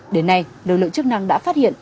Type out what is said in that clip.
đến nay lực lượng chức năng đã phát triển